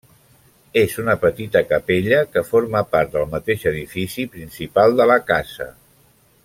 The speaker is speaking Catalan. És una petita capella que forma part del mateix edifici principal de la casa.